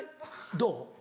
どう？